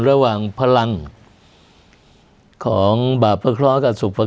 ระหว่างพลังของบาปภคร้ากับสุขภคร้า